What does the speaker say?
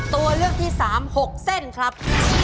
ตัวเลือกที่๓๖เส้นครับ